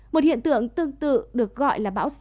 một hiện tượng tương tự được gọi là bão